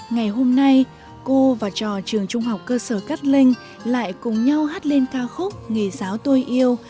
ngày hôm nay cô và trò trường trung học cơ sở cát linh lại cùng nhau hát lên ca khúc nghề giáo tôi yêu